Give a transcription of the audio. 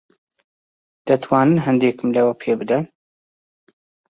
دەتوانن ھەندێکم لەوە پێ بدەن؟